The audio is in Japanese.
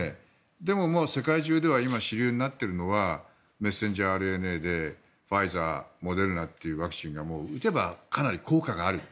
でも、世界中では主流になってるのはメッセンジャーＲＮＡでファイザー、モデルナというワクチンは打てばかなり効果がある。